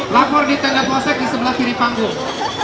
lapor di tenda polsek di sebelah kiri panggung